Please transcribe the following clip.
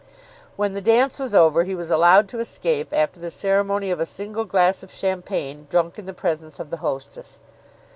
When the dance was over he was allowed to escape after the ceremony of a single glass of champagne drank in the presence of the hostess.